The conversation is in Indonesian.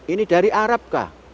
ini dari arab kah